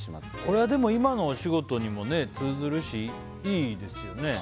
これは今のお仕事にも通ずるしいいですよね。